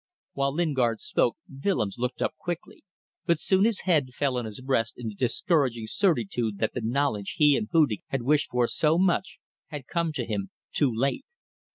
While Lingard spoke Willems looked up quickly, but soon his head fell on his breast in the discouraging certitude that the knowledge he and Hudig had wished for so much had come to him too late.